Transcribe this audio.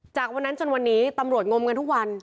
จากวันนั้นจนวันนี้ตำรวจงมกันทุกวัน